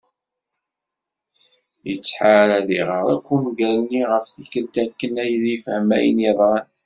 ettḥar ad iɣar akk ungal-nni ɣef tikkelt akken ad yefhem ayen yeḍran.